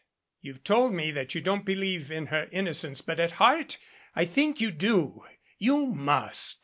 You've told me that you don't believe in her innocence, but at heart I think you do. You must.